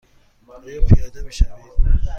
آیا پیاده می شوید؟